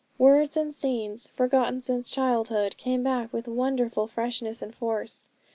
Words and scenes, forgotten since childhood, came back with wonderful freshness and force.